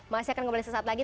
masih akan kembali sesaat lagi